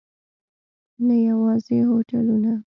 نه یوازې هوټلونه.